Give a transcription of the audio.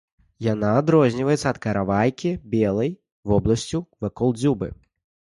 Яна адрозніваецца ад каравайкі белай вобласцю вакол дзюбы.